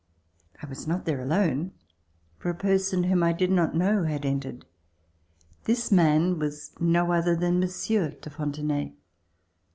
I was not there alone, for a person whom I did not know had entered. This man was no other than Monsieur de Fontenay.